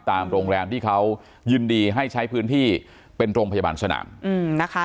โรงแรมที่เขายินดีให้ใช้พื้นที่เป็นโรงพยาบาลสนามนะคะ